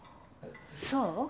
そう？